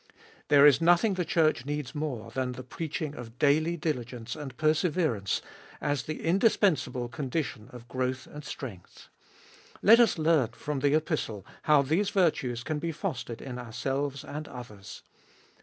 There is nothing the Church needs more than the preaching of daily diligence and perseverance as the indispensable condition of growth and strength. Let us learn from the Epistle how these virtues can be fostered in ourselves and others.